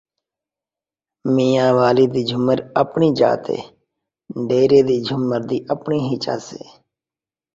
بھُوم ڳوجھی توں مضمون نقل کرتے شیئر کیتے کرو.